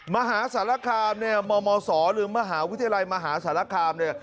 มหาสารคามเนี่ยมมศหรือมหาวิทยาลัยมหาสารคามเนี่ย